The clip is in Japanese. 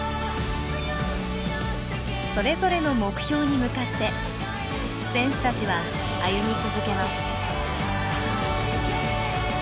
それぞれの目標に向かって選手たちは歩み続けます。